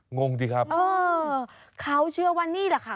งงสิครับเออเขาเชื่อว่านี่แหละค่ะ